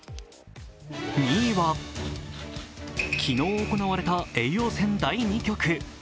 ２位は昨日行われた叡王戦第２局。